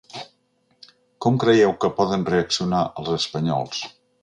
Com creieu que poden reaccionar els espanyols?